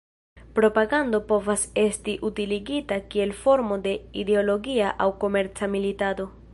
Propagando povas esti utiligita kiel formo de ideologia aŭ komerca militado.